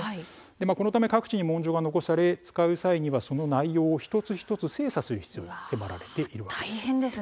このため各地に文書が残され使う際には、その内容を一つ一つ精査する必要に迫られているんです。